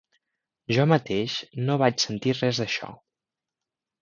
Jo mateix no vaig sentir res d'això.